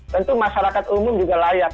tentu masyarakat umum juga layak